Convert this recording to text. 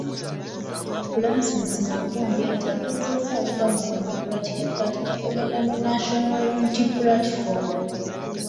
Francis Makumbi ategeezezza abaava mu Democratic Party okugenda mu National Unity Platform.